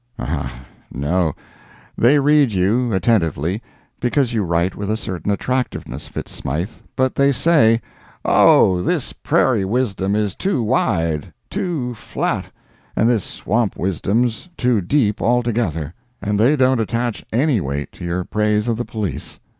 Ah, no—they read you, attentively—because you write with a certain attractiveness Fitz Smythe—but they say "Oh, this prairie wisdom is too wide—too flat; and this swamp wisdom's too deep altogether." And they don't attach any weight to your praise of the police.